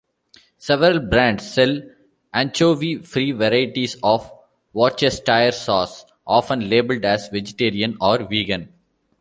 Several brands sell anchovy-free varieties of Worcestershire sauce, often labelled as vegetarian or vegan.